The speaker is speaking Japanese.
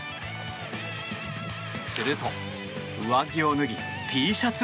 すると、上着を脱ぎＴシャツ